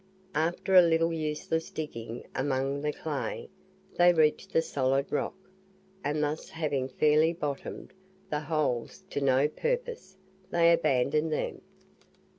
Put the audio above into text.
After a little useless digging among the clay, they reached the solid rock, and thus having fairly "bottomed," the holes to no purpose, they abandoned them.